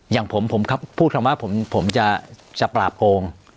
อย่างผมผมพูดคำว่าผมจะปราบโกง